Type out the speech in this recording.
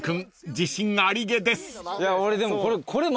自信ありげです］